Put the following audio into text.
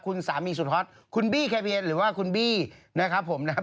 คุณสามีสุดฮอตคุณบี้เคเบียนหรือว่าคุณบี้นะครับผมนะครับ